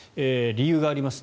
理由があります。